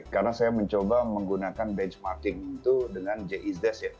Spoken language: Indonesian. karena saya mencoba menggunakan benchmarking itu dengan j i zdez ya